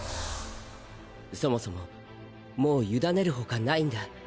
そもそももう委ねる他ないんだ。